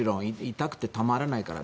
痛くてたまらないから。